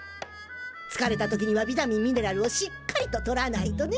つかれた時にはビタミンミネラルをしっかりととらないとね！